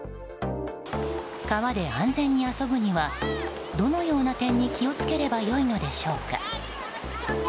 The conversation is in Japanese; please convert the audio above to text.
川で安全に遊ぶにはどのような点に気を付ければよいのでしょうか。